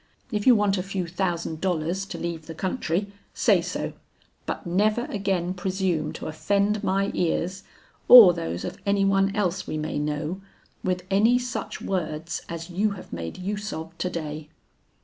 If you want a few thousand dollars to leave the country, say so, but never again presume to offend my ears, or those of any one else we may know, with any such words as you have made use of to day.'